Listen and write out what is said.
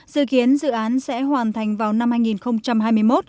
dự kiến dự án sẽ hoàn thành vào năm hai nghìn hai mươi một